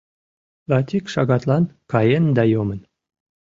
Латик шагатлан каен да йомын.